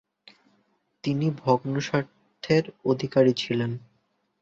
তিনি ভগ্নস্বাস্থ্যের অধিকারী ছিলেন।